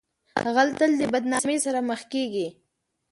غل تل د بدنامۍ سره مخ کیږي